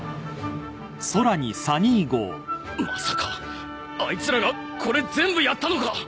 まさかアイツらがこれ全部やったのか？